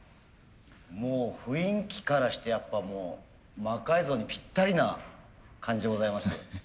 もう雰囲気からしてやっぱもう魔改造にぴったりな感じでございますね。